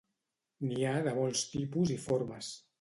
N'hi ha de molts tipus i formes.